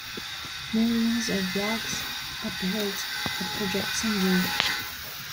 Millions of logs upheld a projecting roof.